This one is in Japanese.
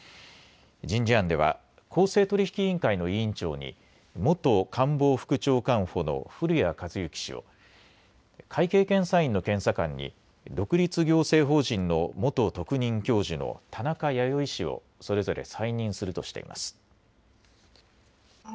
人事案では公正取引委員会の委員長に元官房副長官補の古谷一之氏を、会計検査院の検査官に独立行政法人の元特任教授の田中弥生氏をそれぞれ再任するとしています。